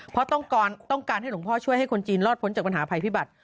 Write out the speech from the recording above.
เพราะต้องการให้หลวงพ่อช่วยให้คนจีนรอดพ้นจากปัญหาภัยพิบัติ